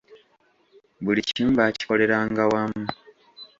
Buli kimu baakikoleranga wamu.